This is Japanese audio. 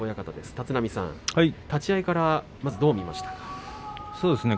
立浪さん、立ち合いからどう見ましたか。